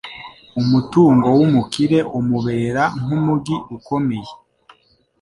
Umutungo w’umukire umubera nk’umugi ukomeye